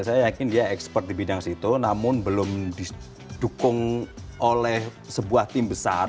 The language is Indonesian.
saya yakin dia ekspert di bidang situ namun belum didukung oleh sebuah tim besar